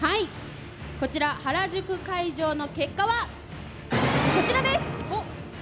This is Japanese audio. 原宿会場の結果はこちらです。